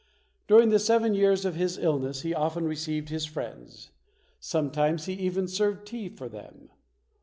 During the seven years of his illness, he often received his friends. Sometimes he even served tea for them.